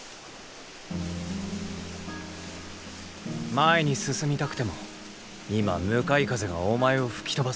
前に進みたくても今向かい風がお前を吹き飛ばす。